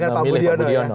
ketika memilih pak budiono